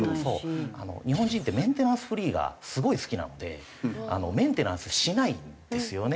日本人ってメンテナンスフリーがすごい好きなのでメンテナンスしないんですよね。